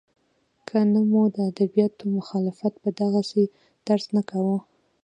که نه مو د ادبیاتو مخالفت په دغسې طرز نه کاوه.